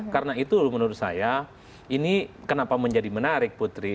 karena itu menurut saya ini kenapa menjadi menarik putri